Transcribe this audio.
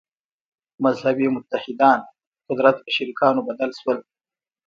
«مذهبي متحدان» د قدرت په شریکانو بدل شول.